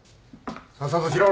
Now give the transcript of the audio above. さっさとしろほら。